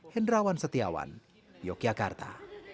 hendrawan setiawan yogyakarta